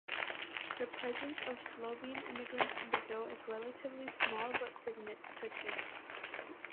The presence of Slovene immigrants in Brazil is relatively small but significant.